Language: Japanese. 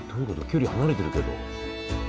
距離離れてるけど。